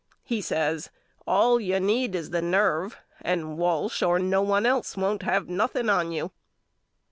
He says All you need is the nerve and Walsh or no one else won't have nothing on you.